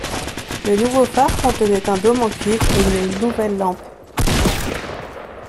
Le nouveau phare contenait un dôme en cuivre et une nouvelle lampe.